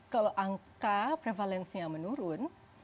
kalau angka prevalensinya menurun